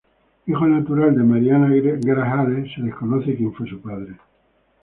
Hijo natural de Mariana Grajales, se desconoce quien fue su padre.